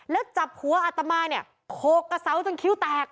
แล้วจับหัวอัตมาเนี่ยโขกกระเสาจนคิ้วแตก